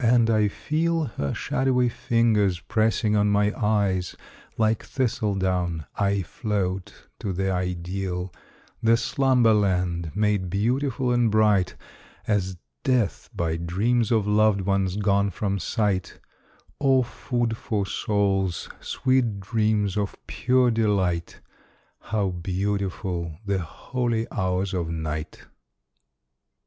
And I feel Her shadowy fingers pressing on my eyes: Like thistledown I float to the Ideal The Slumberland, made beautiful and bright As death, by dreams of loved ones gone from sight, O food for soul's, sweet dreams of pure delight, How beautiful the holy hours of Night!